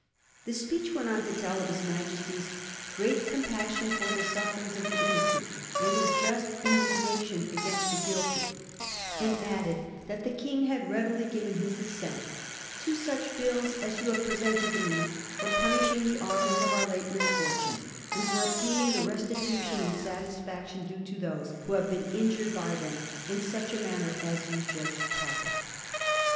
The speech went on to tell of his Majesty's 'great com passion for the sufferings of the innocent and a just indignation against the guilty ;' and added that the King had readily given his assent ' to such Bills as you have presented to me for punishing the authors of our late misfortunes, and for obtaining the restitu tion and satisfaction due to those who have been injured by them in such manner as you judged proper.'